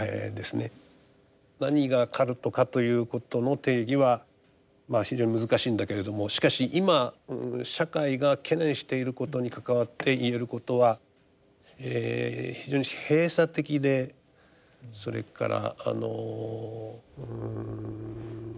何がカルトかということの定義は非常に難しいんだけれどもしかし今社会が懸念していることに関わって言えることは非常に閉鎖的でそれからあのうん